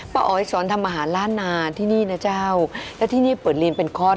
กรูผู้สืบสารล้านนารุ่นแรกแรกรุ่นเลยนะครับผม